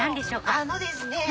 あのですね